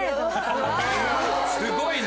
すごいな。